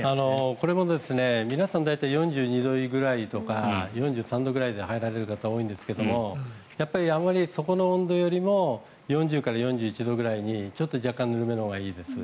これも皆さん大体４２度くらいとか４３度ぐらいで入られる方多いんですがあまりそこの温度よりも４０から４１度くらいの若干ぬるめのほうがいいです。